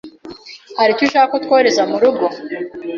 Hari icyo ushaka ko twohereza murugo?